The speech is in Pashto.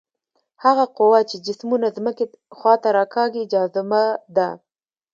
هغه قوه چې جسمونه ځمکې خواته راکاږي جاذبه ده.